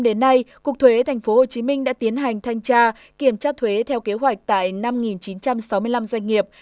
đến nay cục thuế tp hcm đã tiến hành thanh tra kiểm tra thuế theo kế hoạch tại năm chín trăm sáu mươi năm doanh nghiệp